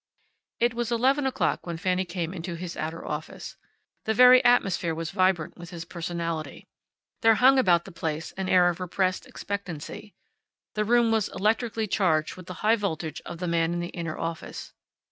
It was eleven o'clock when Fanny came into his outer office. The very atmosphere was vibrant with his personality. There hung about the place an air of repressed expectancy. The room was electrically charged with the high voltage of the man in the inner office.